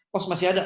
pos masih ada